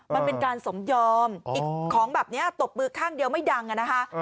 มันเป็นการสมยอมของแบบนี้ตบมือข้างเดียวไม่ดังอะนะคะ